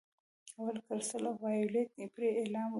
اول کرسټل وایولېټ پرې علاوه کوو.